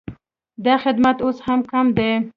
دا خدمت اوس هم کم دی